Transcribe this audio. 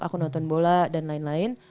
aku nonton bola dan lain lain